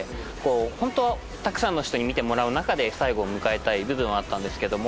ホントはたくさんの人に見てもらう中で最後を迎えたい部分はあったんですけども。